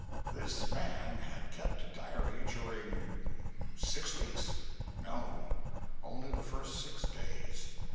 This man had kept a diary during six weeks? No, only the first six days.